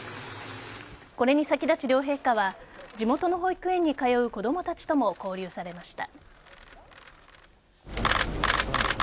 これに先立ち、両陛下は地元の保育園に通う子供たちとも交流されました。